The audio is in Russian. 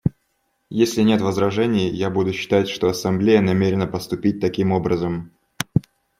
Если нет возражений, я буду считать, что Ассамблея намерена поступить таким образом.